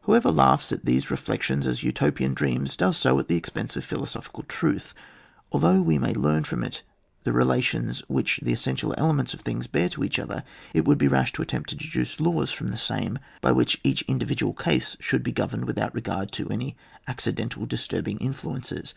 Whoever laughs at these reflections as Utopian dreams, does so at the expense of philosophical truth. Although we may learn from it the relations which the es sential elements of things bear to each other, it would be rash to attempt to de duce laws from the same by which each individual case should be governed with out regard to any accidental disturbing influences.